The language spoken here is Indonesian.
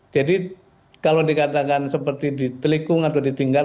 kalau dikatakan seperti ditelikung atau ditinggal